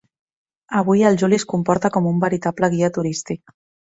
Avui el Juli es comporta com un veritable guia turístic.